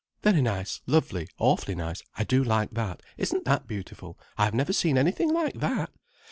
Very nice, lovely, awfully nice, I do like that, isn't that beautiful, I've never seen anything like that!